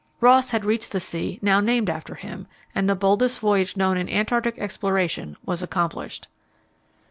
Ross had reached the sea now named after him, and the boldest voyage known in Antarctic exploration was accomplished.